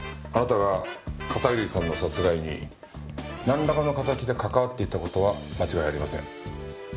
あなたが片桐さんの殺害になんらかの形で関わっていた事は間違いありません。